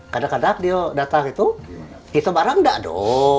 kadang kadang dia datang itu itu barang tidak ada